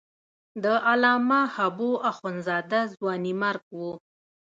د علامه حبو اخند زاده ځوانیمرګ و.